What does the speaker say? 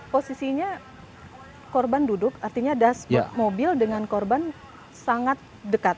posisinya korban duduk artinya dashboard mobil dengan korban sangat dekat